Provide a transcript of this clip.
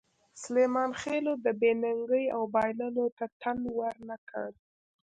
سلیمان خېلو د بې ننګۍ او بایللو ته تن ور نه کړ.